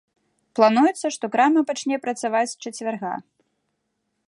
Плануецца, што крама пачне працаваць з чацвярга.